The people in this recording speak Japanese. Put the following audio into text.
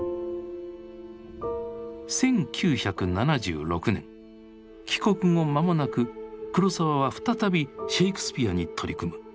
１９７６年帰国後間もなく黒澤は再びシェイクスピアに取り組む。